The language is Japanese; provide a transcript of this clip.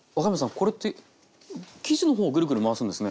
これって生地の方をグルグル回すんですね。